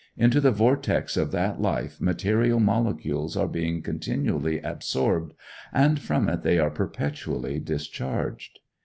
Into the vortex of that life material molecules are being continually absorbed, and from it they are perpetually discharged.